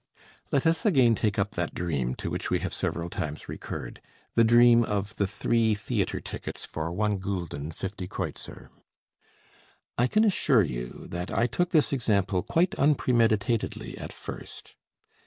Let us again take up that dream to which we have several times recurred, the dream of the three theatre tickets for 1 Fl. 50 Kr. I can assure you that I took this example quite unpremeditatedly at first.